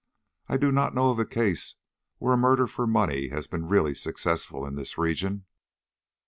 I do not know of a case where a murder for money has been really successful in this region."